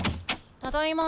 ただいま。